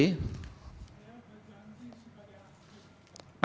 saya berjanji sebagai ahli